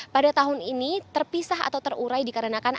pada tahun ini terpisah atau terurai dikarenakan